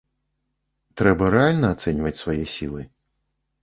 Трэба рэальна ацэньваць свае сілы.